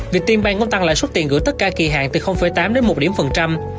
việt tiên banh cũng tăng lãi suất tiền gửi tất cả kỳ hạn từ tám đến một điểm phần trăm